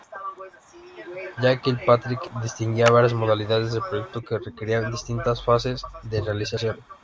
Ya Kilpatrick distinguía varias modalidades de proyectos que requerían distintas fases de realización.